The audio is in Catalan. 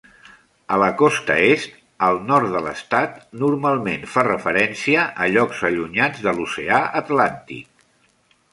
A la costa est, "al nord de l'estat" normalment fa referència a llocs allunyats de l'oceà Atlàntic.